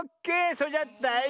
それじゃだい